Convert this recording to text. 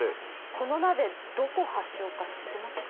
この鍋、どこ発祥か知ってますか？